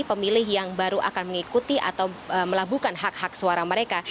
pemilih yang baru akan mengikuti atau melabuhkan hak hak suara mereka